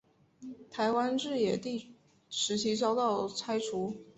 台湾日治时期遭到拆除。